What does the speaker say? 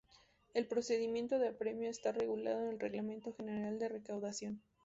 El procedimiento de apremio está regulado en el Reglamento General de Recaudación.